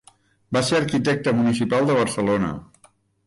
Va ser arquitecte municipal de Barcelona.